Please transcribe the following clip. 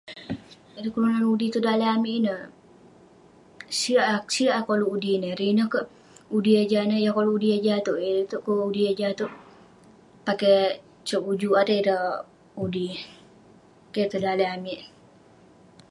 Ireh kelunan udi tong daleh amik ineh, sik ah sik yah koluk udi ineh, ireh ineh kek udi yah jah ineh, yah koluk udi yah jah iteuk, ireh iteuk ke udi yah jah iteuk. Pake cop ujuk erei ireh udi. Keh tong daleh amik.